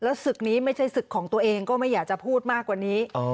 ศึกนี้ไม่ใช่ศึกของตัวเองก็ไม่อยากจะพูดมากกว่านี้